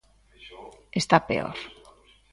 Está peor.